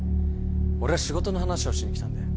俺は仕事の話をしに来たんだよ。